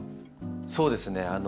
そうですね